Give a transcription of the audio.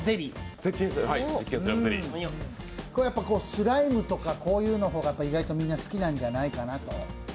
スライムとかこういうのが意外とみんな好きなんじゃないかなと。